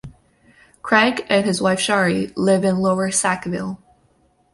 Craig and his wife Shari live in Lower Sackville.